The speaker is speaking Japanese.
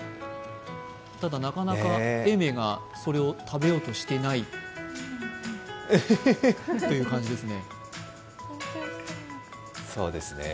ただ、なかなか永明がそれを食べようとしていないという感じですね。